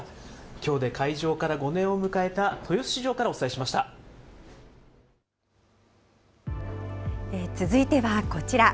きょうで開場から５年を迎えた豊続いてはこちら。